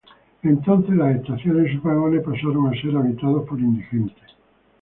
Entonces las estaciones y sus vagones pasaron a ser habitados por indigentes.